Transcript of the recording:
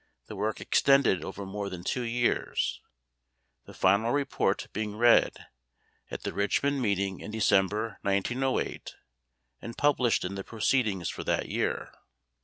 The work extended over more than two years, the final report being read at the Richmond meeting in December, 1908, and published in the proceedings for that year.